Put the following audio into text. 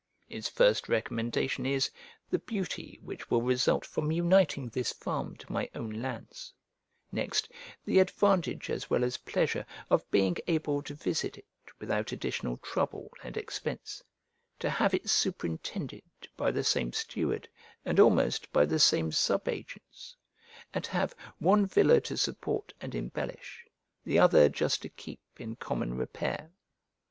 Its first recommendation is, the beauty which will result from uniting this farm to my own lands; next, the advantage as well as pleasure of being able to visit it without additional trouble and expense; to have it superintended by the same steward, and almost by the same sub agents, and to have one villa to support and embellish, the other just to keep in common repair.